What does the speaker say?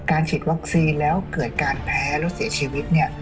การฉีดวัคซีนแล้วเกิดการแพ้และเสียชีวิต